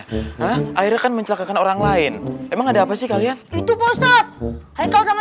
hai nah air akan mencelakakan orang lain emang ada apa sih kalian itu post op hai kau sama